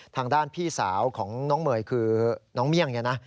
ทางด้านพี่สาวของน้องเมื่อยคือน้องเมี่ยงนะ